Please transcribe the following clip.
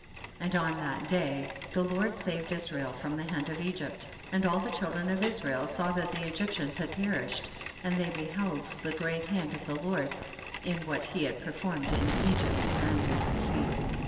42. And on that day the Lord saved Israel from the hand of Egypt, and all the children of Israel saw that the Egyptians had perished, and they beheld the great hand of the Lord, in what he had performed in Egypt and in the sea.